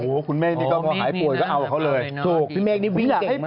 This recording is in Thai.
โอ้โหคุณเมฆนี่ก็มาหายป่วยก็เอาเขาเลยพี่เมฆนี่วิ่งเก่งมาก